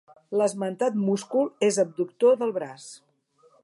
L'esmentat múscul és abductor del braç.